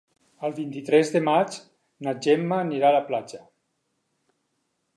El vint-i-tres de maig na Gemma anirà a la platja.